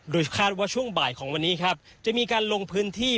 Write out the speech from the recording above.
โดยคาดว่าช่วงบ่ายของวันนี้ครับจะมีการลงพื้นที่